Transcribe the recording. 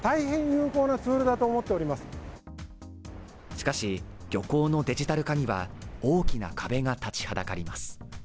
しかし漁港のデジタル化には大きな壁が立ちはだかります